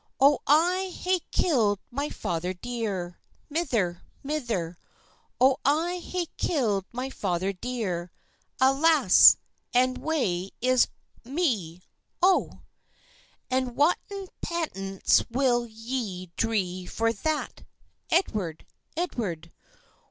"O I hae killed my father dear, Mither, mither; O I hae killed my father dear, Alas, and wae is me, O!" "And whatten penance will ye dree for that, Edward, Edward?